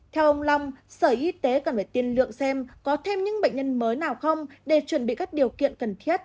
theo ông long sở y tế cần phải tiên lượng xem có thêm những bệnh nhân mới nào không để chuẩn bị các điều kiện cần thiết